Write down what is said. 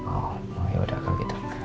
oh yaudah kalau gitu